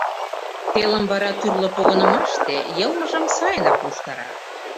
Телым вара тӱрлӧ погынымаште йылмыжым сайынак луштара.